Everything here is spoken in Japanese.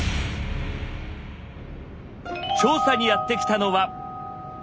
調査にやって来たのは。